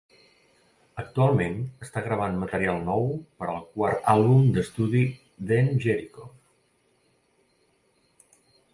Actualment, està gravant material nou per al quart àlbum d'estudi Then Jerico.